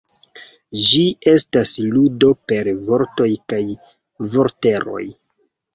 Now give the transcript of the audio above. Ĝi estas ludo per vortoj kaj vorteroj.